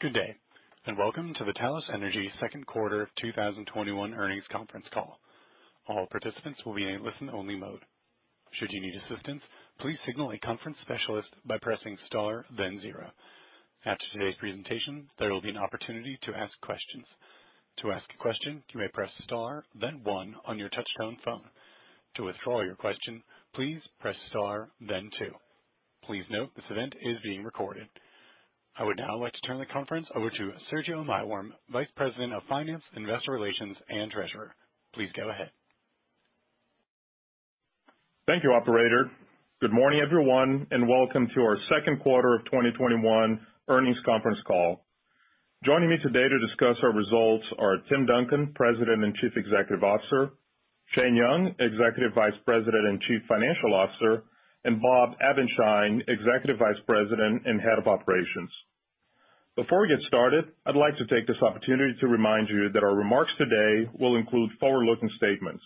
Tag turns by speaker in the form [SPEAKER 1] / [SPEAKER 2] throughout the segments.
[SPEAKER 1] Good day, and welcome to the Talos Energy second quarter 2021 earnings conference call. All participants are in listen only mode. Should you need assistance please signal the conference specialist by pressing star then zero. After the presentation there will be an opportunity to ask questions. To ask a question you may press star then one on your touch-tone. To withdraw your question please dial star then two. Please note the conference is being recorded. I would now like to turn the conference over to Sergio Maiworm, Vice President of Finance, Investor Relations, and Treasurer. Please go ahead.
[SPEAKER 2] Thank you, operator. Good morning, everyone, and welcome to our second quarter of 2021 earnings conference call. Joining me today to discuss our results are Tim Duncan, President and Chief Executive Officer, Shane Young, Executive Vice President and Chief Financial Officer, and Bob Abendschein, Executive Vice President and Head of Operations. Before we get started, I'd like to take this opportunity to remind you that our remarks today will include forward-looking statements.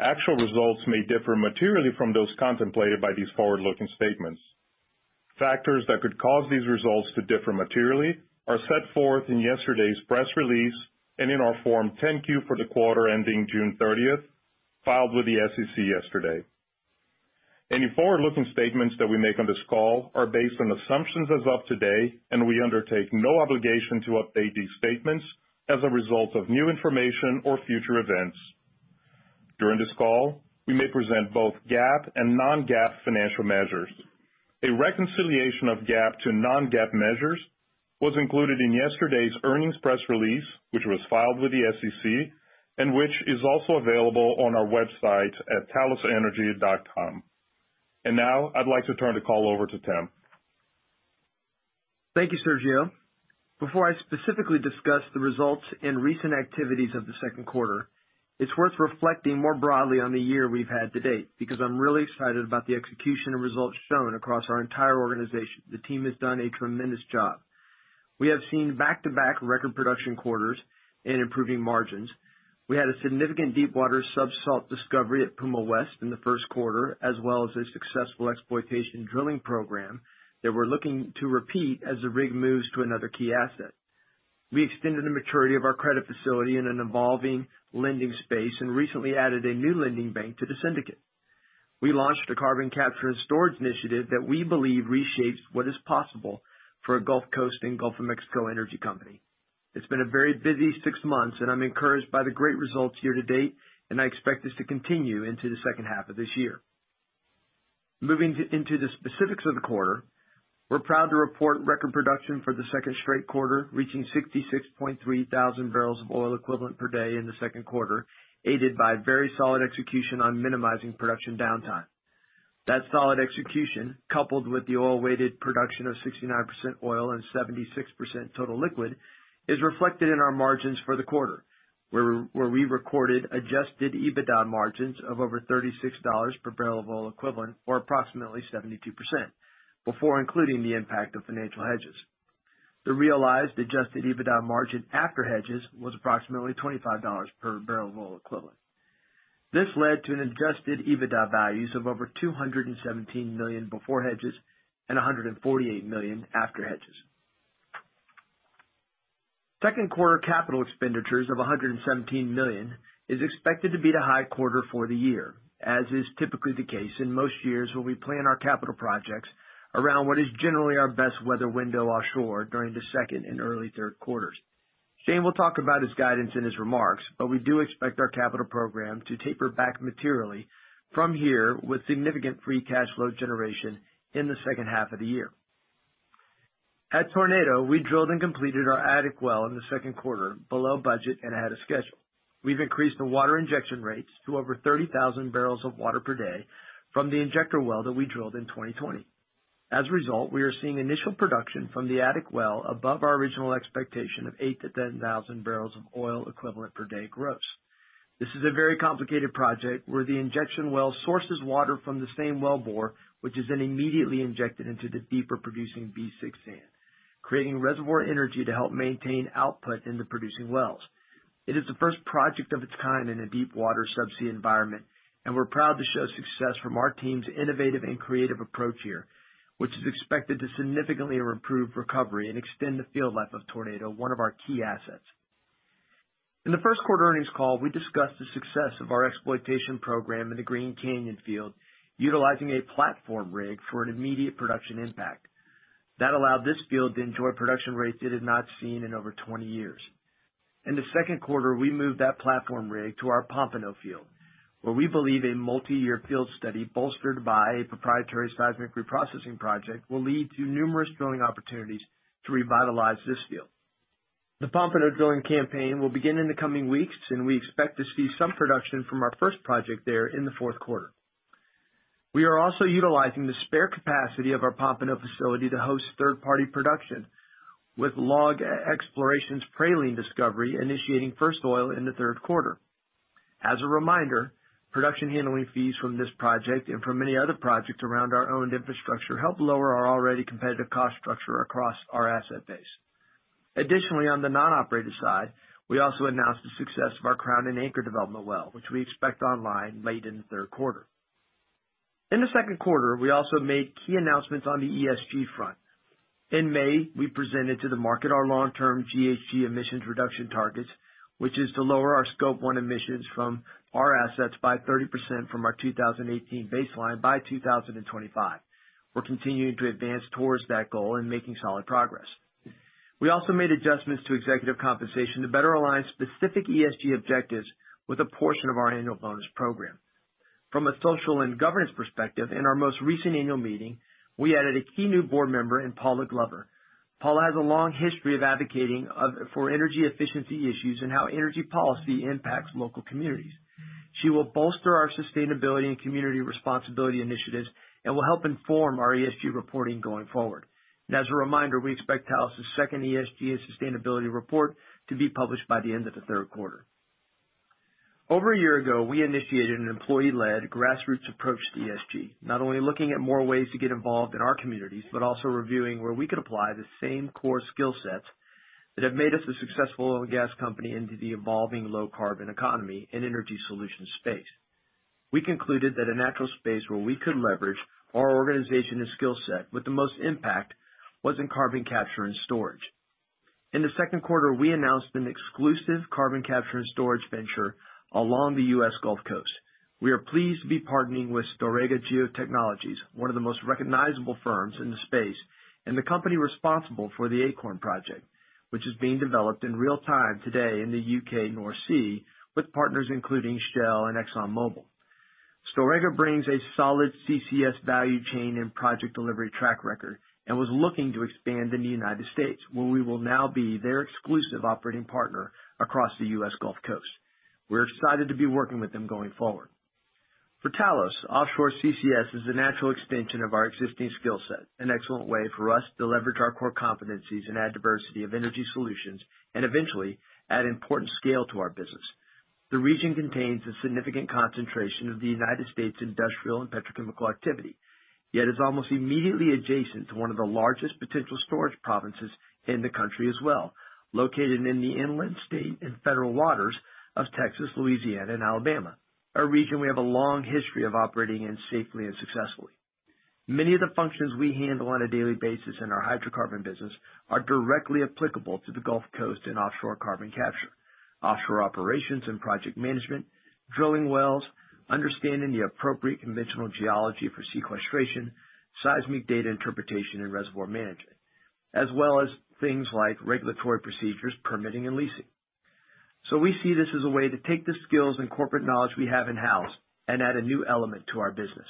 [SPEAKER 2] Actual results may differ materially from those contemplated by these forward-looking statements. Factors that could cause these results to differ materially are set forth in yesterday's press release and in our Form 10-Q for the quarter ending June 30th, filed with the SEC yesterday. Any forward-looking statements that we make on this call are based on assumptions as of today, and we undertake no obligation to update these statements as a result of new information or future events. During this call, we may present both GAAP and non-GAAP financial measures. A reconciliation of GAAP to non-GAAP measures was included in yesterday's earnings press release, which was filed with the SEC and which is also available on our website at talosenergy.com. Now I'd like to turn the call over to Tim.
[SPEAKER 3] Thank you, Sergio. Before I specifically discuss the results and recent activities of the second quarter, it's worth reflecting more broadly on the year we've had to date, I'm really excited about the execution and results shown across our entire organization. The team has done a tremendous job. We have seen back-to-back record production quarters and improving margins. We had a significant deep water sub-salt discovery at Puma West in the 1st quarter, as well as a successful exploitation drilling program that we're looking to repeat as the rig moves to another key asset. We extended the maturity of our credit facility in an evolving lending space and recently added a new lending bank to the syndicate. We launched a Carbon Capture and Storage Initiative that we believe reshapes what is possible for a Gulf Coast and Gulf of Mexico energy company. It's been a very busy six months, and I'm encouraged by the great results here to date, and I expect this to continue into the second half of this year. Moving into the specifics of the quarter, we're proud to report record production for the second straight quarter, reaching 66,300 bbl of oil equivalent per day in the second quarter, aided by very solid execution on minimizing production downtime. That solid execution, coupled with the oil-weighted production of 69% oil and 76% total liquid, is reflected in our margins for the quarter, where we recorded Adjusted EBITDA margins of over $36 per barrel of oil equivalent, or approximately 72%, before including the impact of financial hedges. The realized Adjusted EBITDA margin after hedges was approximately $25 per barrel of oil equivalent. This led to an Adjusted EBITDA values of over $217 million before hedges and $148 million after hedges. Second quarter capital expenditures of $117 million is expected to be the high quarter for the year, as is typically the case in most years, where we plan our capital projects around what is generally our best weather window offshore during the second and early third quarters. Shane will talk about his guidance in his remarks, but we do expect our capital program to taper back materially from here with significant free cash flow generation in the second half of the year. At Tornado, we drilled and completed our attic well in the second quarter below budget and ahead of schedule. We've increased the water injection rates to over 30,000 bbl of water per day from the injector well that we drilled in 2020. We are seeing initial production from the attic well above our original expectation of 8,000-10,000 bbl of oil equivalent per day gross. This is a very complicated project where the injection well sources water from the same wellbore, which is then immediately injected into the deeper producing B6 sand, creating reservoir energy to help maintain output in the producing wells. It is the first project of its kind in a deepwater subsea environment, and we're proud to show success from our team's innovative and creative approach here, which is expected to significantly improve recovery and extend the field life of Tornado, one of our key assets. In the first quarter earnings call, we discussed the success of our exploitation program in the Green Canyon field, utilizing a platform rig for an immediate production impact. That allowed this field to enjoy production rates it had not seen in over 20 years. In the second quarter, we moved that platform rig to our Pompano field, where we believe a multi-year field study bolstered by a proprietary seismic reprocessing project will lead to numerous drilling opportunities to revitalize this field. The Pompano drilling campaign will begin in the coming weeks, and we expect to see some production from our first project there in the fourth quarter. We are also utilizing the spare capacity of our Pompano facility to host third-party production, with LLOG Exploration's Praline discovery initiating first oil in the third quarter. As a reminder, production handling fees from this project and from many other projects around our owned infrastructure help lower our already competitive cost structure across our asset base. Additionally, on the non-operated side, we also announced the success of our Crown & Anchor development well, which we expect online late in the third quarter. In the second quarter, we also made key announcements on the ESG front. In May, we presented to the market our long-term GHG emissions reduction targets, which is to lower our Scope 1 emissions from our assets by 30% from our 2018 baseline by 2025. We're continuing to advance towards that goal and making solid progress. We also made adjustments to executive compensation to better align specific ESG objectives with a portion of our annual bonus program. From a social and governance perspective, in our most recent annual meeting, we added a key new board member in Paula Glover. Paula has a long history of advocating for energy efficiency issues and how energy policy impacts local communities. She will bolster our sustainability and community responsibility initiatives and will help inform our ESG reporting going forward. As a reminder, we expect Talos' second ESG and sustainability report to be published by the end of the third quarter. Over a year ago, we initiated an employee-led grassroots approach to ESG, not only looking at more ways to get involved in our communities, but also reviewing where we could apply the same core skill sets that have made us a successful oil and gas company into the evolving low carbon economy and energy solutions space. We concluded that a natural space where we could leverage our organization and skill set with the most impact was in carbon capture and storage. In the second quarter, we announced an exclusive carbon capture and storage venture along the U.S. Gulf Coast. We are pleased to be partnering with Storegga Geotechnologies, one of the most recognizable firms in the space, and the company responsible for the Acorn project, which is being developed in real time today in the U.K. North Sea with partners including Shell and ExxonMobil. Storegga brings a solid CCS value chain and project delivery track record and was looking to expand in the United States, where we will now be their exclusive operating partner across the U.S. Gulf Coast. We're excited to be working with them going forward. For Talos, offshore CCS is a natural extension of our existing skill set, an excellent way for us to leverage our core competencies and add diversity of energy solutions and eventually add important scale to our business. The region contains a significant concentration of the United States industrial and petrochemical activity, yet is almost immediately adjacent to one of the largest potential storage provinces in the country as well, located in the inland state and federal waters of Texas, Louisiana, and Alabama, a region we have a long history of operating in safely and successfully. Many of the functions we handle on a daily basis in our hydrocarbon business are directly applicable to the Gulf Coast and offshore carbon capture. Offshore operations and project management, drilling wells, understanding the appropriate conventional geology for sequestration, seismic data interpretation and reservoir management, as well as things like regulatory procedures, permitting and leasing. We see this as a way to take the skills and corporate knowledge we have in-house and add a new element to our business.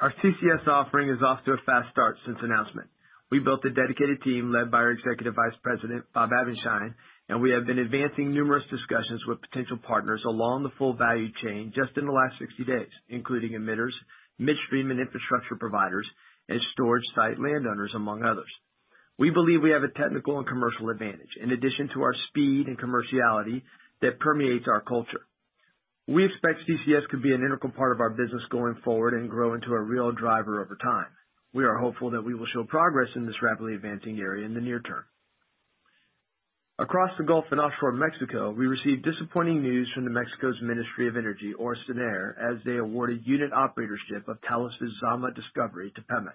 [SPEAKER 3] Our CCS offering is off to a fast start since announcement. We built a dedicated team led by our Executive Vice President, Bob Abendschein, and we have been advancing numerous discussions with potential partners along the full value chain just in the last 60 days, including emitters, midstream and infrastructure providers, and storage site landowners, among others. We believe we have a technical and commercial advantage in addition to our speed and commerciality that permeates our culture. We expect CCS to be an integral part of our business going forward and grow into a real driver over time. We are hopeful that we will show progress in this rapidly advancing area in the near term. Across the Gulf and offshore Mexico, we received disappointing news from the Mexico's Ministry of Energy, or SENER, as they awarded unit operatorship of Talos' Zama discovery to Pemex.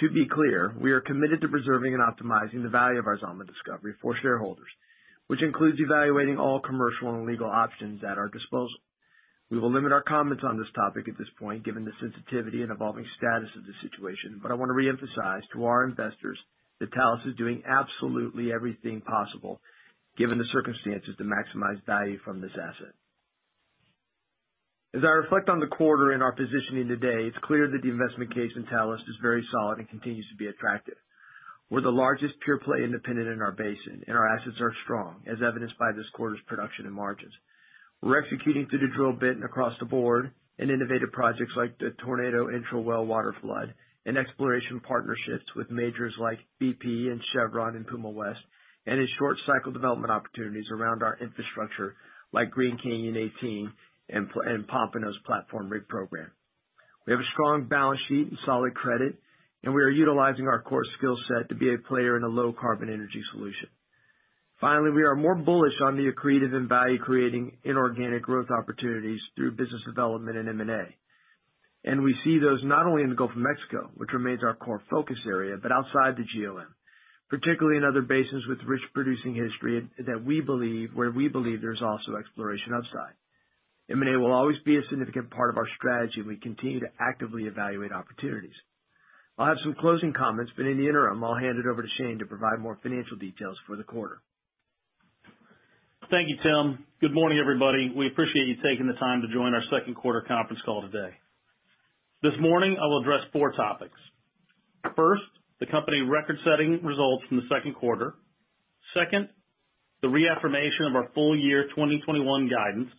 [SPEAKER 3] To be clear, we are committed to preserving and optimizing the value of our Zama discovery for shareholders, which includes evaluating all commercial and legal options at our disposal. We will limit our comments on this topic at this point, given the sensitivity and evolving status of the situation, but I want to reemphasize to our investors that Talos is doing absolutely everything possible, given the circumstances, to maximize value from this asset. As I reflect on the quarter and our positioning today, it's clear that the investment case in Talos is very solid and continues to be attractive. We're the largest pure play independent in our basin, and our assets are strong, as evidenced by this quarter's production and margins. We're executing through the drill bit and across the board in innovative projects like the Tornado intra-well water flood and exploration partnerships with majors like BP and Chevron and Puma West, and in short cycle development opportunities around our infrastructure like Green Canyon 18 and Pompano's platform rig program. We have a strong balance sheet and solid credit, and we are utilizing our core skill set to be a player in a low carbon energy solution. Finally, we are more bullish on the accretive and value-creating inorganic growth opportunities through business development and M&A. We see those not only in the Gulf of Mexico, which remains our core focus area, but outside the GOM, particularly in other basins with rich producing history where we believe there's also exploration upside. M&A will always be a significant part of our strategy, and we continue to actively evaluate opportunities. I'll have some closing comments, but in the interim, I'll hand it over to Shane to provide more financial details for the quarter.
[SPEAKER 4] Thank you, Tim. Good morning, everybody. We appreciate you taking the time to join our second quarter conference call today. This morning, I will address four topics. First, the company record-setting results from the second quarter. Second, the reaffirmation of our full year 2021 guidance.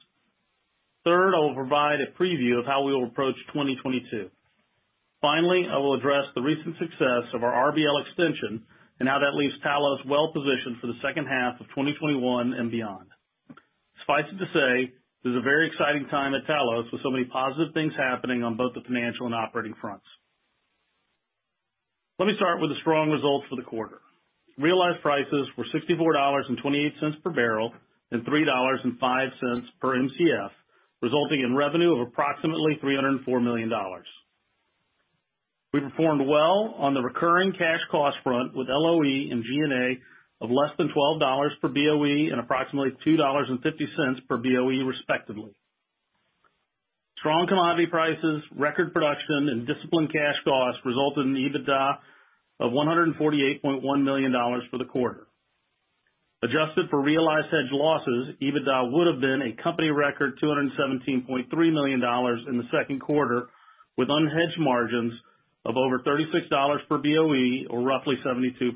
[SPEAKER 4] Third, I will provide a preview of how we will approach 2022. Finally, I will address the recent success of our RBL extension and how that leaves Talos well-positioned for the second half of 2021 and beyond. Suffice it to say, this is a very exciting time at Talos with so many positive things happening on both the financial and operating fronts. Let me start with the strong results for the quarter. Realized prices were $64.28 per barrel and $3.05 per Mcf, resulting in revenue of approximately $304 million. We performed well on the recurring cash cost front with LOE and G&A of less than $12 per BOE and approximately $2.50 per BOE respectively. Strong commodity prices, record production, and disciplined cash costs resulted in EBITDA of $148.1 million for the quarter. Adjusted for realized hedge losses, EBITDA would have been a company record $217.3 million in the second quarter, with unhedged margins of over $36 per BOE, or roughly 72%.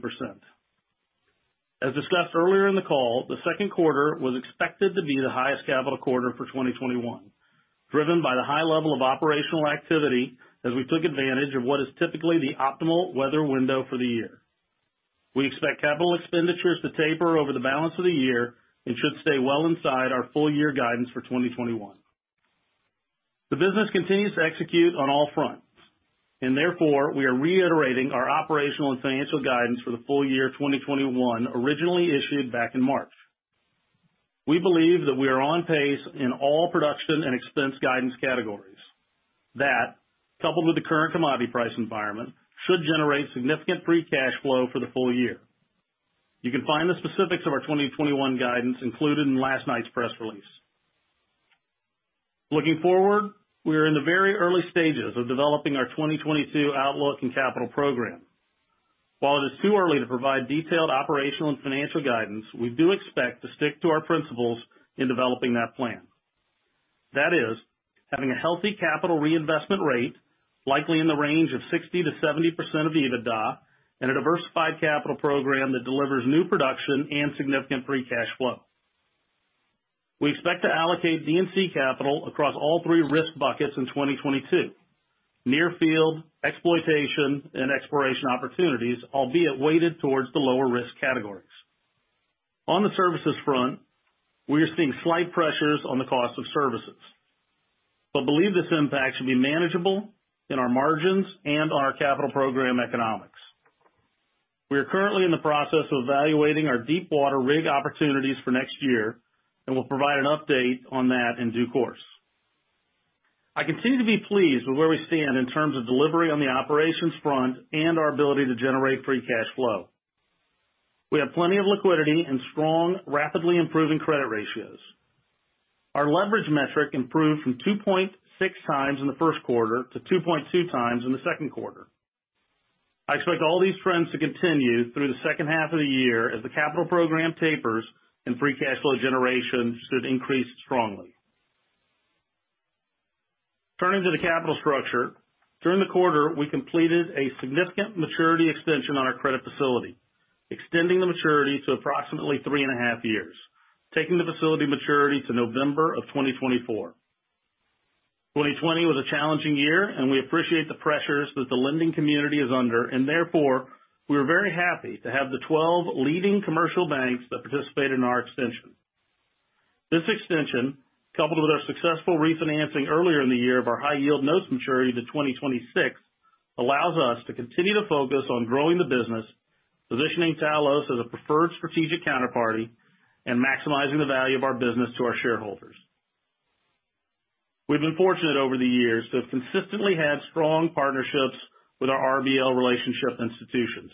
[SPEAKER 4] As discussed earlier in the call, the second quarter was expected to be the highest capital quarter for 2021, driven by the high level of operational activity as we took advantage of what is typically the optimal weather window for the year. We expect capital expenditures to taper over the balance of the year and should stay well inside our full-year guidance for 2021. The business continues to execute on all fronts and therefore, we are reiterating our operational and financial guidance for the full year 2021, originally issued back in March. We believe that we are on pace in all production and expense guidance categories. That, coupled with the current commodity price environment, should generate significant free cash flow for the full year. You can find the specifics of our 2021 guidance included in last night's press release. Looking forward, we are in the very early stages of developing our 2022 outlook and capital program. While it is too early to provide detailed operational and financial guidance, we do expect to stick to our principles in developing that plan. That is, having a healthy capital reinvestment rate, likely in the range of 60%-70% of EBITDA, and a diversified capital program that delivers new production and significant free cash flow. We expect to allocate D&C capital across all three risk buckets in 2022: near field, exploitation, and exploration opportunities, albeit weighted towards the lower-risk categories. On the services front, we are seeing slight pressures on the cost of services, but believe this impact should be manageable in our margins and our capital program economics. We are currently in the process of evaluating our deepwater rig opportunities for next year, and we'll provide an update on that in due course. I continue to be pleased with where we stand in terms of delivery on the operations front and our ability to generate free cash flow. We have plenty of liquidity and strong, rapidly improving credit ratios. Our leverage metric improved from 2.6x in the first quarter to 2.2x in the second quarter. I expect all these trends to continue through the second half of the year as the capital program tapers and free cash flow generation should increase strongly. Turning to the capital structure, during the quarter, we completed a significant maturity extension on our credit facility, extending the maturity to approximately three and a half years, taking the facility maturity to November of 2024. 2020 was a challenging year, and we appreciate the pressures that the lending community is under, and therefore, we are very happy to have the 12 leading commercial banks that participated in our extension. This extension, coupled with our successful refinancing earlier in the year of our high-yield note maturity to 2026, allows us to continue to focus on growing the business, positioning Talos as a preferred strategic counterparty, and maximizing the value of our business to our shareholders. We've been fortunate over the years to have consistently had strong partnerships with our RBL relationship institutions.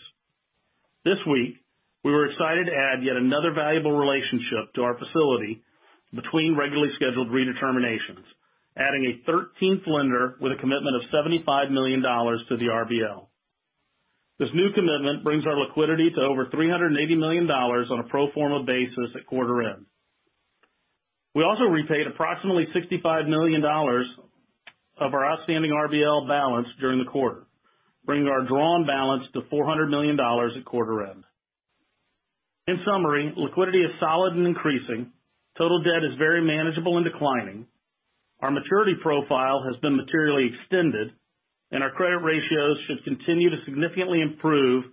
[SPEAKER 4] This week, we were excited to add yet another valuable relationship to our facility between regularly scheduled redeterminations, adding a 13th lender with a commitment of $75 million to the RBL. This new commitment brings our liquidity to over $380 million on a pro forma basis at quarter end. We also repaid approximately $65 million of our outstanding RBL balance during the quarter, bringing our drawn balance to $400 million at quarter end. In summary, liquidity is solid and increasing. Total debt is very manageable and declining. Our maturity profile has been materially extended, and our credit ratios should continue to significantly improve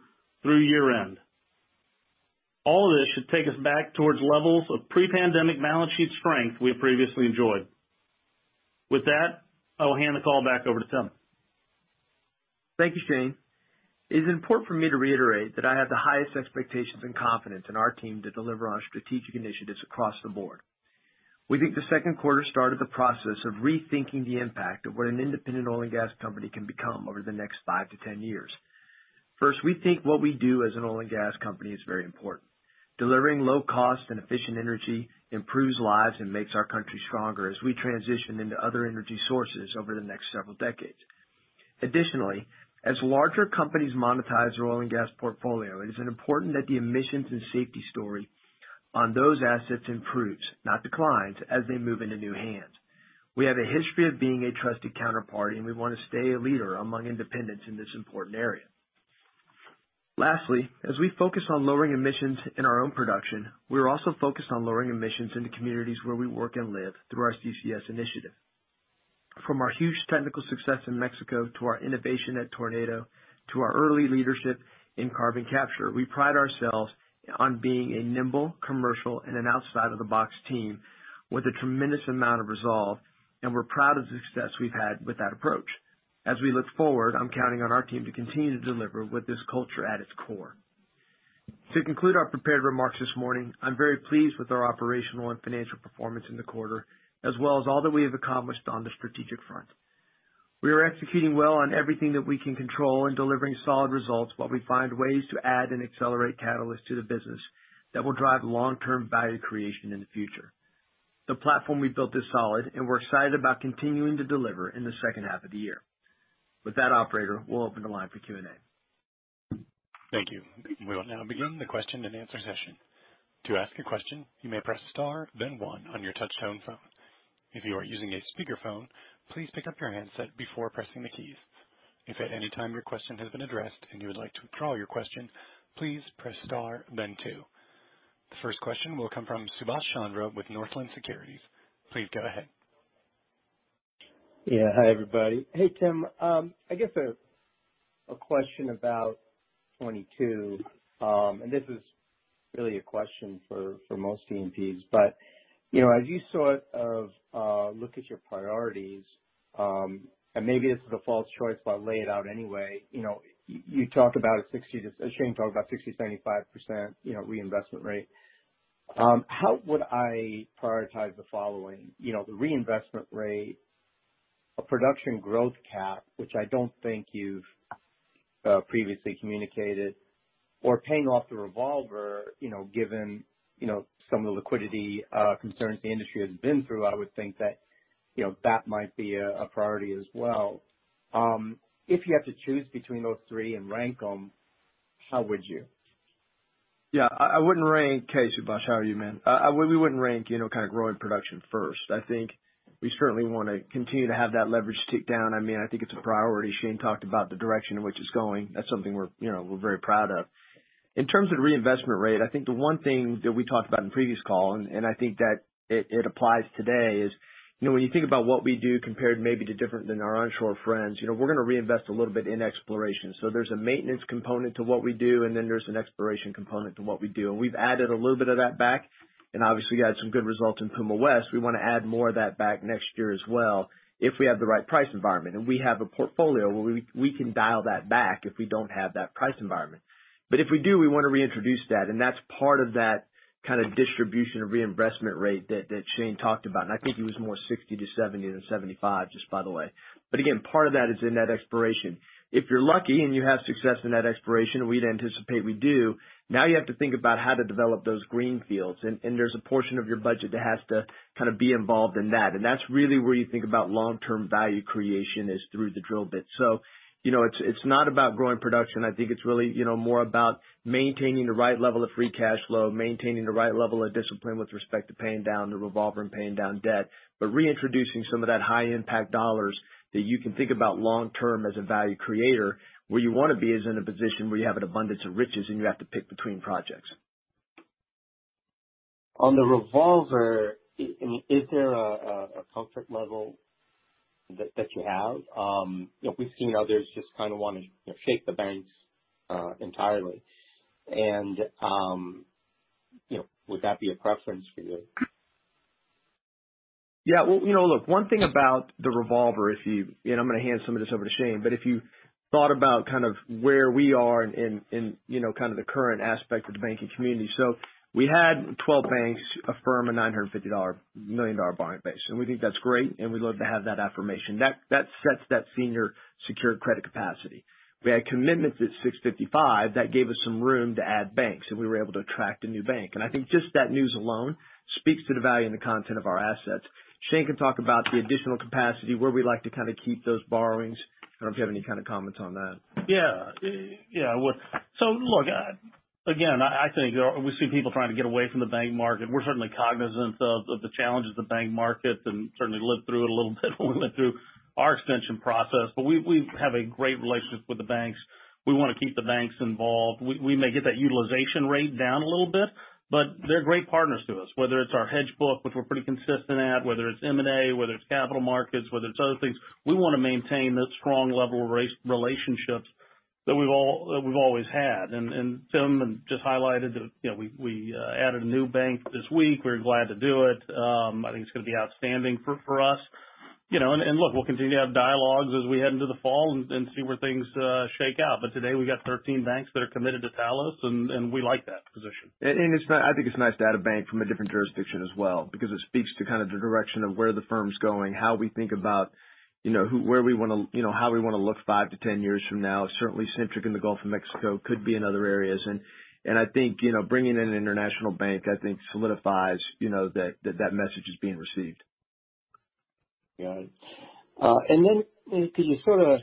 [SPEAKER 4] through year end. All of this should take us back towards levels of pre-pandemic balance sheet strength we have previously enjoyed. With that, I will hand the call back over to Tim.
[SPEAKER 3] Thank you, Shane. It is important for me to reiterate that I have the highest expectations and confidence in our team to deliver on strategic initiatives across the board. We think the second quarter started the process of rethinking the impact of what an independent oil and gas company can become over the next five to 10 years. First, we think what we do as an oil and gas company is very important. Delivering low cost and efficient energy improves lives and makes our country stronger as we transition into other energy sources over the next several decades. Additionally, as larger companies monetize their oil and gas portfolio, it is important that the emissions and safety story on those assets improves, not declines, as they move into new hands. We have a history of being a trusted counterparty, and we want to stay a leader among independents in this important area. Lastly, as we focus on lowering emissions in our own production, we are also focused on lowering emissions in the communities where we work and live through our CCS initiative. From our huge technical success in Mexico to our innovation at Tornado to our early leadership in carbon capture, we pride ourselves on being a nimble, commercial, and an outside-of-the-box team with a tremendous amount of resolve, and we're proud of the success we've had with that approach. As we look forward, I'm counting on our team to continue to deliver with this culture at its core. To conclude our prepared remarks this morning, I'm very pleased with our operational and financial performance in the quarter, as well as all that we have accomplished on the strategic front. We are executing well on everything that we can control and delivering solid results while we find ways to add and accelerate catalysts to the business that will drive long-term value creation in the future. The platform we've built is solid, and we're excited about continuing to deliver in the second half of the year. With that, operator, we'll open the line for Q&A.
[SPEAKER 1] Thank you. We will now begin the question and answer session. To ask a question you may press star then one on your touch-tone phone. If you are using speakerphone please raise your handset before pressing the key. If at anytime your question has been addressed and you want to withdraw your question please dial star then two. The first question will come from Subash Chandra with Northland Securities. Please go ahead.
[SPEAKER 5] Yeah. Hi, everybody. Hey, Tim. I guess a question about 2022. This is really a question for most E&Ps, but as you look at your priorities, and maybe this is a false choice, but I'll lay it out anyway. Shane talked about 60%-75% reinvestment rate. How would I prioritize the following? The reinvestment rate, a production growth cap, which I don't think you've previously communicated, or paying off the revolver given some of the liquidity concerns the industry has been through. I would think that might be a priority as well. If you had to choose between those three and rank them, how would you?
[SPEAKER 3] Yeah. Hey, Subash. How are you, man? We wouldn't rank growing production first. I think we certainly want to continue to have that leverage tick down. I think it's a priority. Shane talked about the direction in which it's going. That's something we're very proud of. In terms of reinvestment rate, I think the one thing that we talked about in the previous call, and I think that it applies today, is when you think about what we do compared maybe to different than our onshore friends, we're going to reinvest a little bit in exploration. There's a maintenance component to what we do, and then there's an exploration component to what we do. We've added a little bit of that back, and obviously had some good results in Puma West. We want to add more of that back next year as well if we have the right price environment. We have a portfolio where we can dial that back if we don't have that price environment. If we do, we want to reintroduce that, and that's part of that distribution or reinvestment rate that Shane talked about. I think it was more 60 to 70 than 75, just by the way. Again, part of that is in that exploration. If you're lucky and you have success in that exploration, we'd anticipate we do, now you have to think about how to develop those greenfields, and there's a portion of your budget that has to be involved in that. That's really where you think about long-term value creation is through the drill bit. It's not about growing production. I think it's really more about maintaining the right level of free cash flow, maintaining the right level of discipline with respect to paying down the revolver and paying down debt, but reintroducing some of that high impact dollars that you can think about long-term as a value creator. Where you want to be is in a position where you have an abundance of riches, and you have to pick between projects.
[SPEAKER 5] On the revolver, is there a comfort level that you have? We've seen others just want to shake the banks entirely. Would that be a preference for you?
[SPEAKER 3] Yeah. Well, look, one thing about the revolver, I'm going to hand some of this over to Shane, if you thought about where we are in the current aspect of the banking community. We had 12 banks affirm a $950 million borrowing base, we think that's great, and we love to have that affirmation. That sets that senior secured credit capacity. We had commitments at $655 that gave us some room to add banks, we were able to attract a new bank. I think just that news alone speaks to the value and the content of our assets. Shane can talk about the additional capacity where we like to keep those borrowings. I don't know if you have any comments on that.
[SPEAKER 4] Look, again, I think we see people trying to get away from the bank market. We're certainly cognizant of the challenges of the bank market and certainly lived through it a little bit when we went through our extension process. We have a great relationship with the banks. We want to keep the banks involved. We may get that utilization rate down a little bit, but they're great partners to us, whether it's our hedge book, which we're pretty consistent at, whether it's M&A, whether it's capital markets, whether it's other things. We want to maintain the strong level of relationships that we've always had. Tim just highlighted that we added a new bank this week. We're glad to do it. I think it's going to be outstanding for us. Look, we'll continue to have dialogues as we head into the fall and see where things shake out. Today we've got 13 banks that are committed to Talos. We like that position.
[SPEAKER 3] I think it's nice to add a bank from a different jurisdiction as well, because it speaks to the direction of where the firm's going, how we want to look five to 10 years from now. Certainly, centric in the Gulf of Mexico, could be in other areas. I think bringing in an international bank solidifies that message is being received.
[SPEAKER 5] Got it. Then could you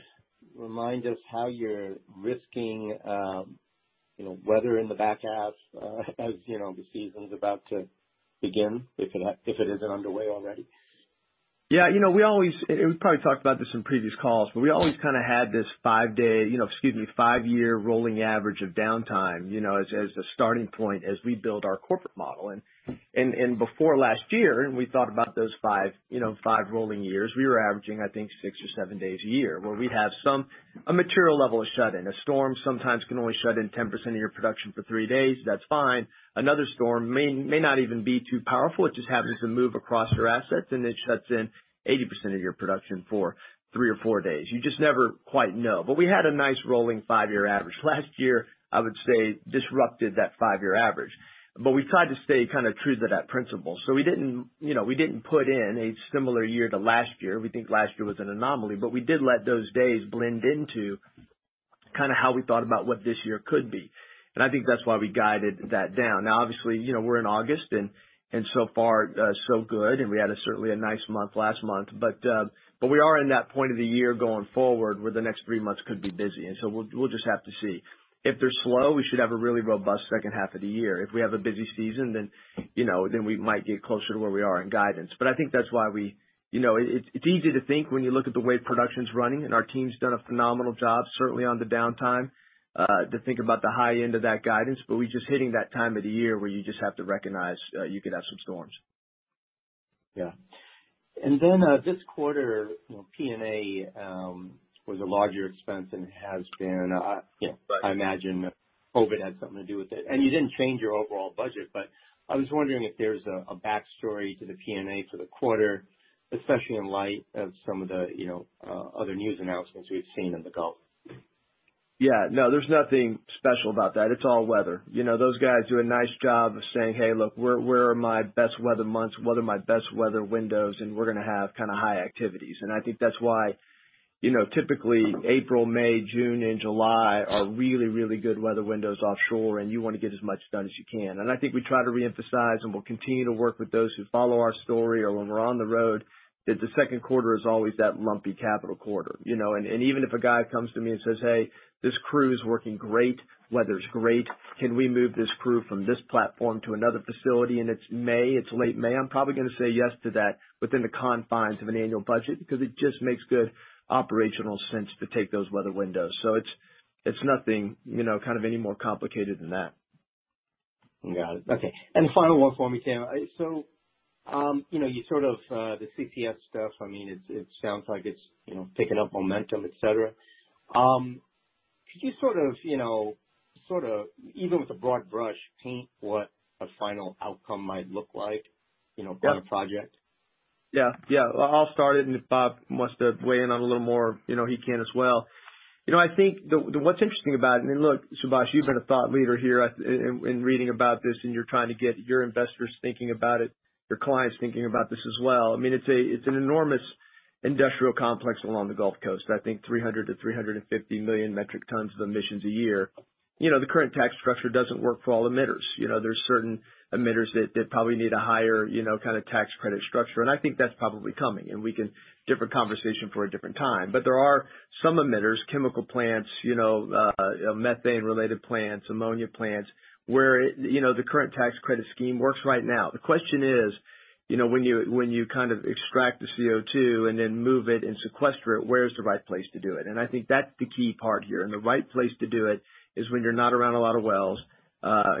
[SPEAKER 5] remind us how you're risking weather in the back half as the season's about to begin, if it isn't underway already?
[SPEAKER 3] Yeah. We probably talked about this in previous calls, but we always had this five-year rolling average of downtime as the starting point as we build our corporate model. Before last year, when we thought about those five rolling years, we were averaging, I think, six or seven days a year, where we'd have a material level of shut-in. A storm sometimes can only shut in 10% of your production for three days. That's fine. Another storm may not even be too powerful. It just happens to move across your assets, and it shuts in 80% of your production for three or four days. You just never quite know. We had a nice rolling five-year average. Last year, I would say, disrupted that five-year average. We tried to stay true to that principle. We didn't put in a similar year to last year. We think last year was an anomaly, but we did let those days blend into kind of how we thought about what this year could be. I think that's why we guided that down. Now, obviously, we're in August, and so far so good, and we had certainly a nice month last month. We are in that point of the year going forward where the next three months could be busy, and so we'll just have to see. If they're slow, we should have a really robust second half of the year. If we have a busy season, then we might get closer to where we are in guidance. I think that's why it's easy to think when you look at the way production's running, and our team's done a phenomenal job, certainly on the downtime, to think about the high end of that guidance. We're just hitting that time of the year where you just have to recognize you could have some storms.
[SPEAKER 5] Yeah. Then this quarter, P&A was a larger expense than it has been.
[SPEAKER 3] Right.
[SPEAKER 5] I imagine COVID had something to do with it. You didn't change your overall budget, but I was wondering if there's a backstory to the P&A for the quarter, especially in light of some of the other news announcements we've seen in the Gulf.
[SPEAKER 3] Yeah. No, there's nothing special about that. It's all weather. Those guys do a nice job of saying, "Hey, look, where are my best weather months? What are my best weather windows? And we're going to have kind of high activities." I think that's why typically April, May, June, and July are really, really good weather windows offshore, and you want to get as much done as you can. I think we try to reemphasize, and we'll continue to work with those who follow our story or when we're on the road, that the second quarter is always that lumpy capital quarter. Even if a guy comes to me and says, "Hey, this crew is working great. Weather's great. Can we move this crew from this platform to another facility? It's May, it's late May, I'm probably going to say yes to that within the confines of an annual budget, because it just makes good operational sense to take those weather windows. It's nothing any more complicated than that.
[SPEAKER 5] Got it. Okay. Final one for me, Tim. The CCS stuff, it sounds like it's picking up momentum, et cetera. Could you sort of, even with a broad brush, paint what a final outcome might look like?
[SPEAKER 3] Yeah.
[SPEAKER 5] On a project?
[SPEAKER 3] Yeah. I'll start it, and if Bob wants to weigh in on a little more, he can as well. I think what's interesting about it, I mean, look, Subash, you've been a thought leader here in reading about this, and you're trying to get your investors thinking about it, your clients thinking about this as well. It's an enormous industrial complex along the Gulf Coast. I think 300 million-350 million metric tons of emissions a year. The current tax structure doesn't work for all emitters. There's certain emitters that probably need a higher tax credit structure, and I think that's probably coming. We can have different conversation for a different time. There are some emitters, chemical plants, methane-related plants, ammonia plants, where the current tax credit scheme works right now. The question is, when you extract the CO2 and then move it and sequester it, where's the right place to do it? I think that's the key part here. The right place to do it is when you're not around a lot of wells.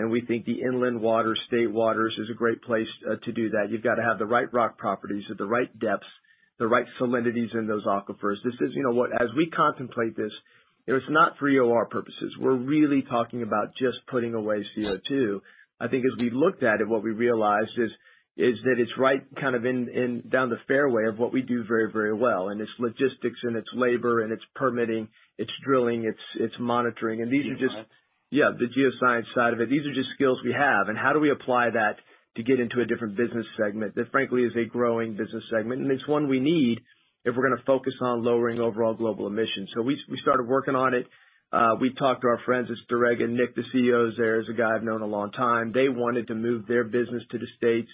[SPEAKER 3] We think the inland water, state waters is a great place to do that. You've got to have the right rock properties at the right depths, the right salinities in those aquifers. As we contemplate this, it's not for EOR purposes. We're really talking about just putting away CO2. I think as we looked at it, what we realized is that it's right kind of down the fairway of what we do very, very well, and it's logistics and it's labor and it's permitting, it's drilling, it's monitoring.
[SPEAKER 5] Geoscience.
[SPEAKER 3] Yeah, the geoscience side of it. These are just skills we have, and how do we apply that to get into a different business segment that, frankly, is a growing business segment? It's one we need if we're going to focus on lowering overall global emissions. We started working on it. We talked to our friends at Storegga, and Nick, the CEO there, is a guy I've known a long time. They wanted to move their business to the States.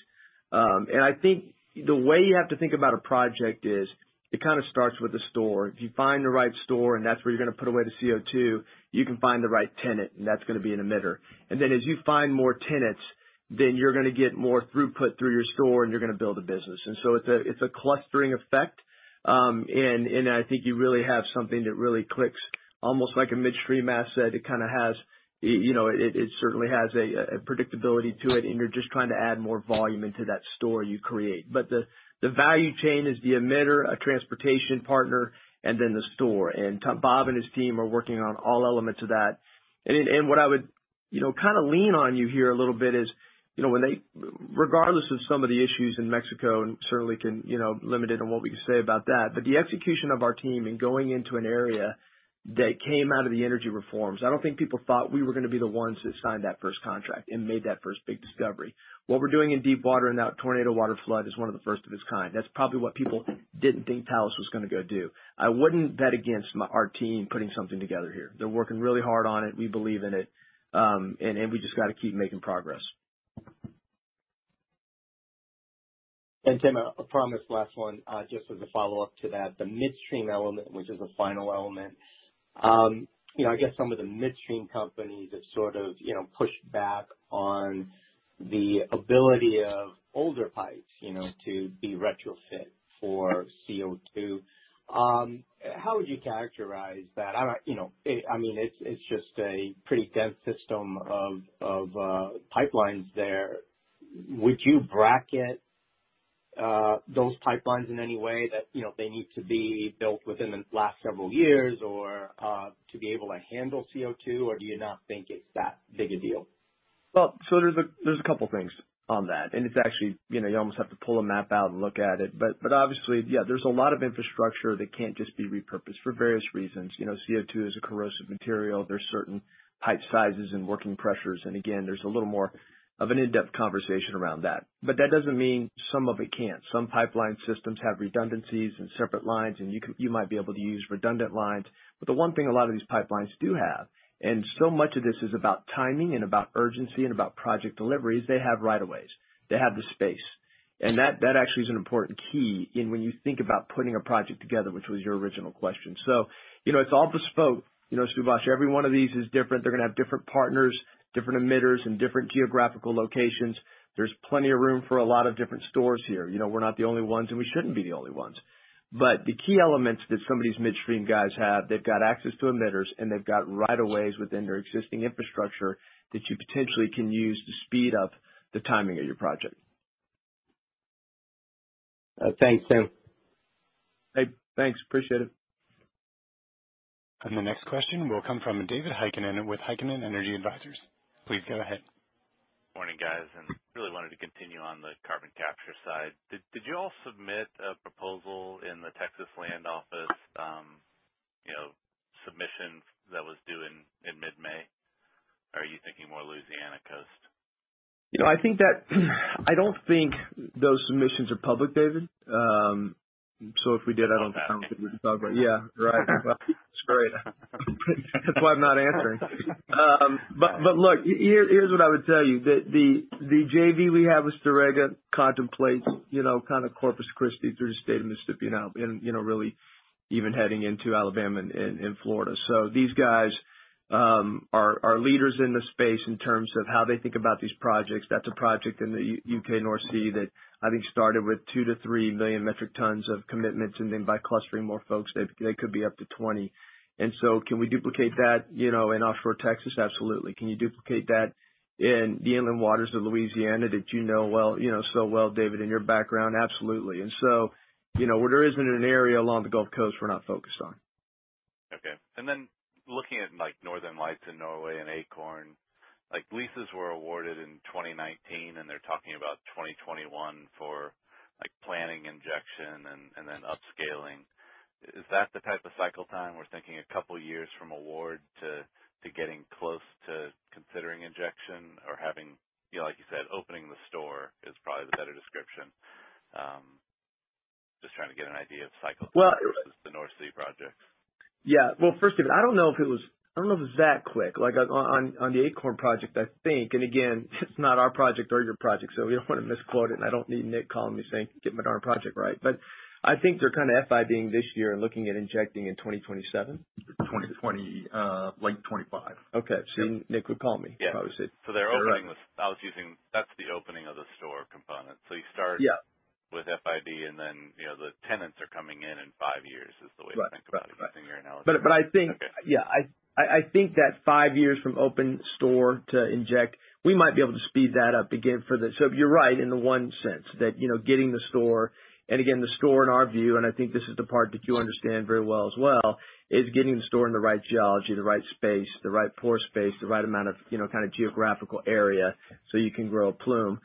[SPEAKER 3] I think the way you have to think about a project is it kind of starts with a store. If you find the right store, and that's where you're going to put away the CO2, you can find the right tenant, and that's going to be an emitter. As you find more tenants, then you're going to get more throughput through your store, and you're going to build a business. It's a clustering effect. I think you really have something that really clicks almost like a midstream asset. It certainly has a predictability to it, and you're just trying to add more volume into that store you create. The value chain is the emitter, a transportation partner, and then the store. Bob and his team are working on all elements of that. What I would lean on you here a little bit is, regardless of some of the issues in Mexico, certainly limited on what we can say about that, the execution of our team in going into an area that came out of the energy reforms, I don't think people thought we were going to be the ones that signed that first contract and made that first big discovery. What we're doing in deepwater in that Tornado Water Flood is one of the first of its kind. That's probably what people didn't think Talos was going to go do. I wouldn't bet against our team putting something together here. They're working really hard on it. We believe in it. We just got to keep making progress.
[SPEAKER 5] Tim, I promise, last one. Just as a follow-up to that, the midstream element, which is a final element. I guess some of the midstream companies have sort of pushed back on the ability of older pipes to be retrofit for CO2. How would you characterize that? It's just a pretty dense system of pipelines there. Would you bracket those pipelines in any way that they need to be built within the last several years or to be able to handle CO2? Do you not think it's that big a deal?
[SPEAKER 3] There's a couple things on that, and it's actually, you almost have to pull a map out and look at it. Obviously, yeah, there's a lot of infrastructure that can't just be repurposed for various reasons. CO2 is a corrosive material. There's certain pipe sizes and working pressures. Again, there's a little more of an in-depth conversation around that. That doesn't mean some of it can't. Some pipeline systems have redundancies and separate lines. You might be able to use redundant lines. The one thing a lot of these pipelines do have, and so much of this is about timing and about urgency and about project deliveries, they have right of ways. They have the space. That actually is an important key in when you think about putting a project together, which was your original question. It's all bespoke. Subash, every one of these is different. They are going to have different partners, different emitters, and different geographical locations. There is plenty of room for a lot of different stories here. We are not the only ones, and we shouldn't be the only ones. The key elements that some of these midstream guys have, they've got access to emitters, and they've got right of ways within their existing infrastructure that you potentially can use to speed up the timing of your project.
[SPEAKER 5] Thanks, Tim.
[SPEAKER 3] Hey, thanks, appreciate it.
[SPEAKER 1] The next question will come from David Heikkinen with Heikkinen Energy Advisors. Please go ahead.
[SPEAKER 6] Morning, guys, Really wanted to continue on the carbon capture side. Did you all submit a proposal in the Texas Land Office submission that was due in mid-May? Are you thinking more Louisiana coast?
[SPEAKER 3] I don't think those submissions are public, David. If we did, I don't think we can talk about it. Yeah, right. That's great. That's why I'm not answering. Look, here's what I would tell you. The JV we have with Storegga contemplates kind of Corpus Christi through the state of Mississippi, and really even heading into Alabama and Florida. These guys are leaders in the space in terms of how they think about these projects. That's a project in the U.K., North Sea, that I think started with 2 million-3 million metric tons of commitments, and then by clustering more folks, they could be up to 20. Can we duplicate that in offshore Texas? Absolutely. Can you duplicate that in the inland waters of Louisiana that you know so well, David, in your background? Absolutely. Where there isn't an area along the Gulf Coast, we're not focused on.
[SPEAKER 6] Okay. Looking at Northern Lights in Norway and Acorn, leases were awarded in 2019. They're talking about 2021 for planning injection and then upscaling. Is that the type of cycle time we're thinking, a couple of years from award to getting close to considering injection or having, like you said, opening the store is probably the better description. Just trying to get an idea of cycle versus the North Sea projects.
[SPEAKER 3] Yeah. Well, first, David, I don't know if it was that quick. On the Acorn project, I think, again, it's not our project or your project, we don't want to misquote it. I don't need Nick calling me saying, "Get the darn project right." I think they're kind of FID-ing this year and looking at injecting in 2027.
[SPEAKER 7] 2020, late 2025.
[SPEAKER 3] Okay. See, Nick would call me if I was.
[SPEAKER 6] Yeah. That's the opening of the Storegga component.
[SPEAKER 3] Yeah.
[SPEAKER 6] With FID and then the tenants are coming in in five years, is the way to think about it using your analogy.
[SPEAKER 3] But I think-
[SPEAKER 6] Okay.
[SPEAKER 3] I think that five years from open store to inject, we might be able to speed that up again. You're right in the one sense that getting the store, and again, the store in our view, and I think this is the part that you understand very well as well, is getting the store in the right geology, the right space, the right pore space, the right amount of geographical area so you can grow a plume.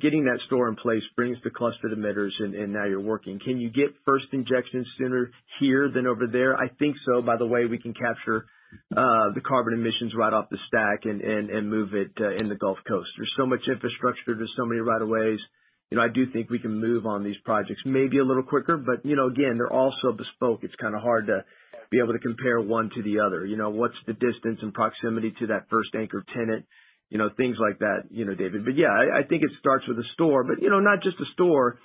[SPEAKER 3] Getting that store in place brings the cluster to emitters, and now you're working. Can you get first injections sooner here than over there? I think so. By the way, we can capture the carbon emissions right off the stack and move it in the Gulf Coast. There's so much infrastructure. There's so many right of ways. I do think we can move on these projects maybe a little quicker, but again, they're all so bespoke. It's kind of hard to be able to compare one to the other. What's the distance and proximity to that first anchor tenant? Things like that, David. Yeah, I think it starts with a store, but not just a store.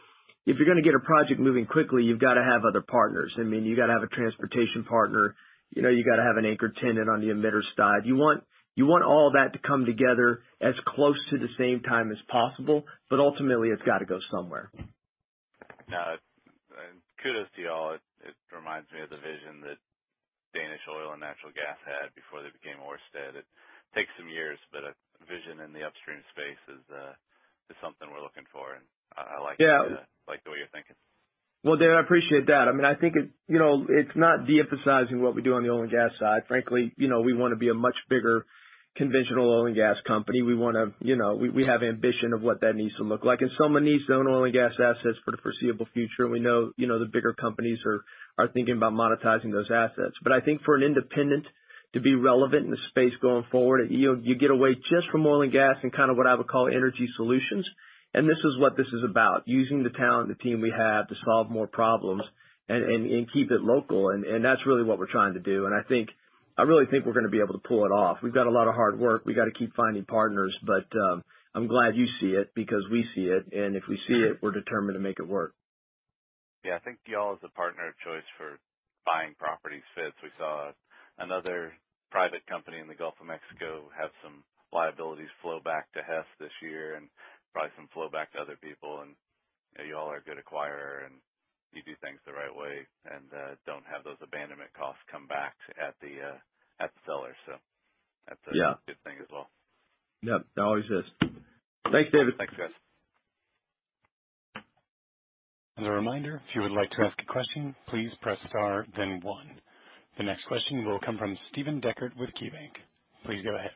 [SPEAKER 3] If you're going to get a project moving quickly, you've got to have other partners. You got to have a transportation partner. You got to have an anchor tenant on the emitter side. You want all of that to come together as close to the same time as possible, but ultimately it's got to go somewhere.
[SPEAKER 6] Yeah. Kudos to you all. It reminds me of the vision that Danish Oil and Natural Gas had before they became Ørsted. It takes some years. A vision in the upstream space is something we're looking for, and I like the way you're thinking.
[SPEAKER 3] Well, David, I appreciate that. I think it's not de-emphasizing what we do on the oil and gas side. Frankly, we want to be a much bigger conventional oil and gas company. We have ambition of what that needs to look like. Some of needs to own oil and gas assets for the foreseeable future. We know the bigger companies are thinking about monetizing those assets. I think for an independent to be relevant in the space going forward, you get away just from oil and gas and kind of what I would call energy solutions. This is what this is about, using the talent, the team we have to solve more problems and keep it local. That's really what we're trying to do. I really think we're going to be able to pull it off. We've got a lot of hard work. We got to keep finding partners. I'm glad you see it because we see it, and if we see it, we're determined to make it work.
[SPEAKER 6] Yeah. I think you all as a partner of choice for buying properties fits. We saw another private company in the Gulf of Mexico have some liabilities flow back to Hess this year and probably some flow back to other people. You all are a good acquirer, and you do things the right way and don't have those abandonment costs come back at the seller.
[SPEAKER 3] Yeah
[SPEAKER 6] good thing as well.
[SPEAKER 3] Yeah. It always is. Thanks, David.
[SPEAKER 6] Thanks, guys.
[SPEAKER 1] As a reminder if you would like to ask a question please star then one. The next question will come from Steven Deckert with KeyBank. Please go ahead.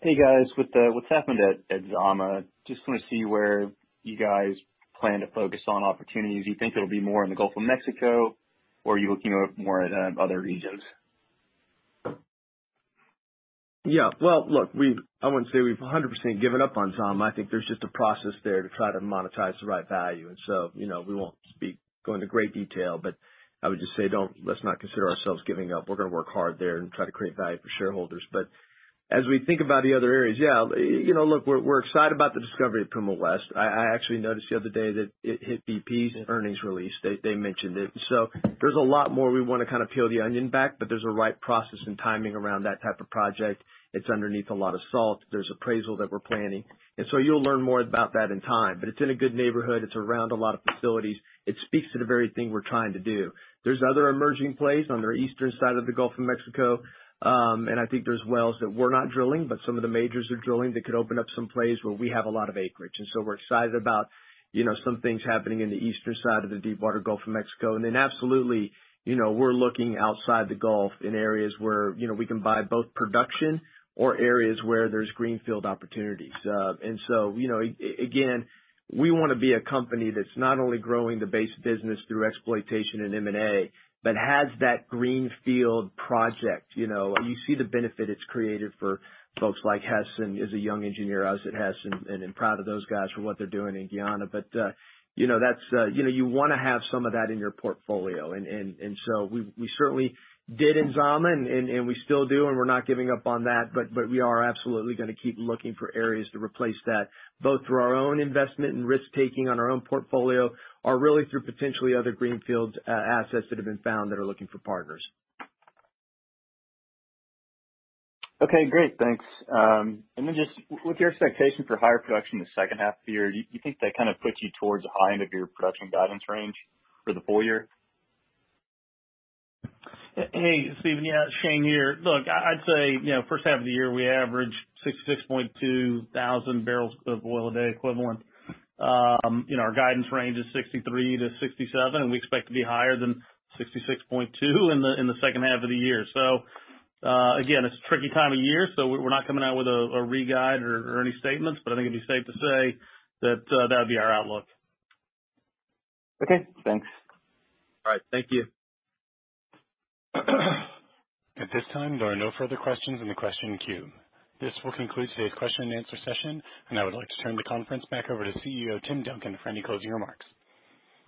[SPEAKER 8] Hey, guys. With what's happened at Zama, just want to see where you guys plan to focus on opportunities. You think it'll be more in the Gulf of Mexico or are you looking more at other regions?
[SPEAKER 3] I wouldn't say we've 100% given up on Zama. I think there's just a process there to try to monetize the right value. We won't go into great detail, but I would just say let's not consider ourselves giving up. We're going to work hard there and try to create value for shareholders. As we think about the other areas, we're excited about the discovery of Puma West. I actually noticed the other day that it hit BP's earnings release. They mentioned it. There's a lot more we want to kind of peel the onion back, but there's a right process and timing around that type of project. It's underneath a lot of salt. There's appraisal that we're planning. You'll learn more about that in time. It's in a good neighborhood. It's around a lot of facilities. It speaks to the very thing we're trying to do. There's other emerging plays on the eastern side of the Gulf of Mexico. I think there's wells that we're not drilling, but some of the majors are drilling that could open up some plays where we have a lot of acreage. We're excited about some things happening in the eastern side of the deepwater Gulf of Mexico. Absolutely, we're looking outside the Gulf in areas where we can buy both production or areas where there's greenfield opportunities. Again, we want to be a company that's not only growing the base business through exploitation and M&A, but has that greenfield project. You see the benefit it's created for folks like Hess and as a young engineer, I was at Hess, and I'm proud of those guys for what they're doing in Guyana. You want to have some of that in your portfolio. We certainly did in Zama, and we still do, and we're not giving up on that. We are absolutely going to keep looking for areas to replace that, both through our own investment and risk-taking on our own portfolio, or really through potentially other greenfield assets that have been found that are looking for partners.
[SPEAKER 8] Okay, great. Thanks. Then just with your expectation for higher production in the second half of the year, you think that kind of puts you towards the high end of your production guidance range for the full year?
[SPEAKER 4] Hey, Steven. Yeah, Shane here. Look, I'd say, first half of the year, we averaged 66,200 bbl of oil a day equivalent. Our guidance range is 63,000 to 67,000, and we expect to be higher than 66,200 in the second half of the year. Again, it's a tricky time of year, so we're not coming out with a re-guide or any statements. I think it'd be safe to say that that would be our outlook.
[SPEAKER 8] Okay, thanks.
[SPEAKER 4] All right. Thank you.
[SPEAKER 1] At this time, there are no further questions in the question queue. This will conclude today's question and answer session, and I would like to turn the conference back over to CEO Tim Duncan for any closing remarks.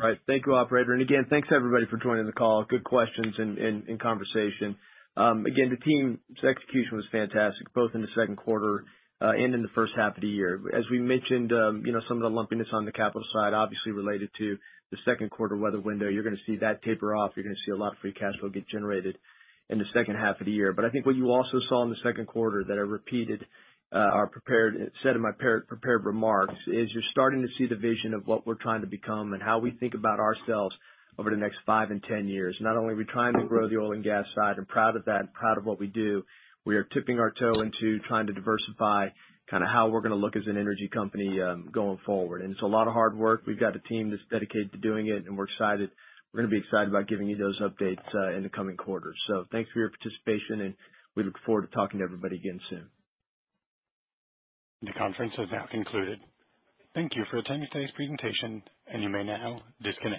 [SPEAKER 3] All right. Thank you, operator. Again, thanks everybody for joining the call. Good questions and conversation. Again, the team's execution was fantastic, both in the second quarter and in the first half of the year. As we mentioned, some of the lumpiness on the capital side obviously related to the second quarter weather window. You're going to see that taper off. You're going to see a lot of free cash flow get generated in the second half of the year. I think what you also saw in the second quarter that I repeated, said in my prepared remarks, is you're starting to see the vision of what we're trying to become and how we think about ourselves over the next five and 10 years. Not only are we trying to grow the oil and gas side and proud of that and proud of what we do, we are tipping our toe into trying to diversify how we're going to look as an energy company, going forward. It's a lot of hard work. We've got a team that's dedicated to doing it, and we're excited. We're going to be excited about giving you those updates in the coming quarters. Thanks for your participation, and we look forward to talking to everybody again soon.
[SPEAKER 1] The conference is now concluded. Thank you for attending today's presentation, and you may now disconnect.